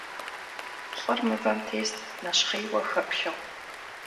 Лӏыр мывэм тест, нэщхъейуэ хэплъэу.